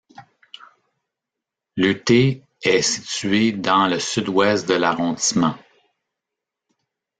Lutter est située dans le sud-ouest de l'arrondissement.